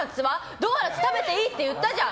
ドーナツ食べていいって言ったじゃん！